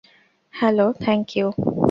Hello, thank you.